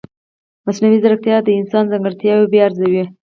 مصنوعي ځیرکتیا د انسان ځانګړتیاوې بیا ارزوي.